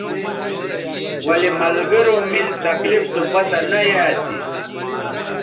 ولے ملگروں میل تکلیف سو پتہ نہ یا اسی